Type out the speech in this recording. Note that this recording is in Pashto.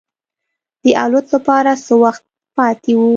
د الوت لپاره څه وخت پاتې و.